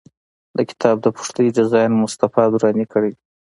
د کتاب د پښتۍ ډیزاین مصطفی دراني کړی دی.